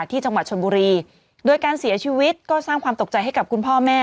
ที่จังหวัดชนบุรีโดยการเสียชีวิตก็สร้างความตกใจให้กับคุณพ่อแม่